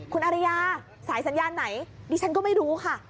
คุณอริยาสายสัญญาณไหนดิฉันก็ไม่รู้ค่ะ